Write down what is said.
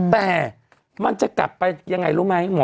แต่มันจะกลับไปยังไงรู้ไหมหมอ